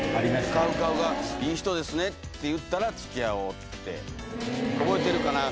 ＣＯＷＣＯＷが「いい人ですね」って言ったら付き合おうって覚えてるかな？